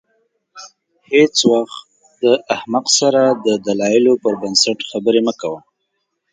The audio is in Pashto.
هېڅ وخت له احمق سره د دلایلو پر بنسټ خبرې مه کوه.